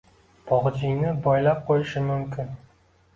Bogʼichingni bogʼlab qoʼyishim mumkin.